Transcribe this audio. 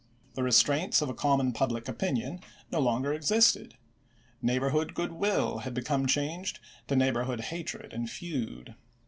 The restraints of a 380 ABRAHAM LINCOLN ch. xvni. common public opinion no longer existed. Neigh borhood good will had become changed to neigh borhood hatred and feud.